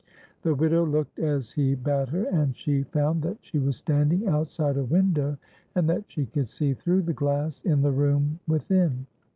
The widow looked as he bade her, and she found that she was standing outside a window, and that she could see through the glass in the room within.